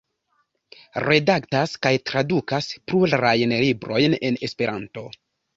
Redaktas kaj tradukas plurajn librojn en Esperanto.